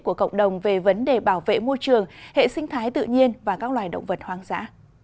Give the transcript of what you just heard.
của cộng đồng về vấn đề bảo vệ môi trường hệ sinh thái tự nhiên và các loài động vật hoang dã